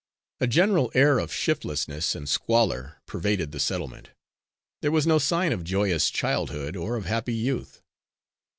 A general air of shiftlessness and squalor pervaded the settlement. There was no sign of joyous childhood or of happy youth.